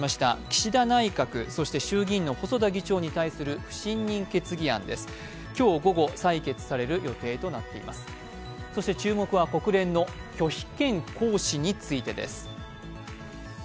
岸田内閣、そして衆議院の細田議長に対するそして注目は国連の拒否権行使についてです。